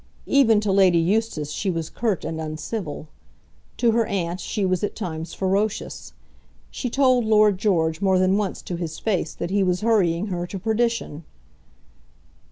Even to Lady Eustace she was curt and uncivil. To her aunt she was at times ferocious. She told Lord George more than once to his face that he was hurrying her to perdition.